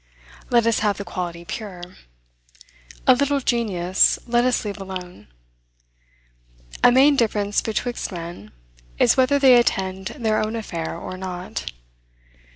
Let us have the quality pure. A little genius let us leave alone. A main difference betwixt men is, whether they attend their own affair or not.